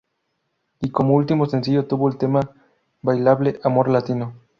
Y como último sencillo tuvo el tema bailable "Amor latino".